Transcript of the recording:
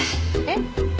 えっ？